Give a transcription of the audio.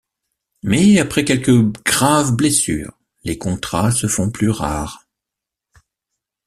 Mais après quelques graves blessures, les contrats se font plus rares.